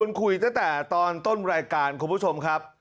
คุณคุยตั้งแต่ตอนต้นรายการคุณผู้ชมครับ